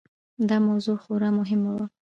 دا موضوع خورا مهمه وه.